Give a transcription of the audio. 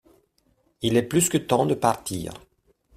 il est plus que temps de partir.